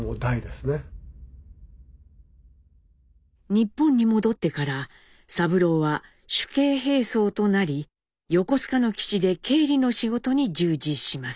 日本に戻ってから三郎は主計兵曹となり横須賀の基地で経理の仕事に従事します。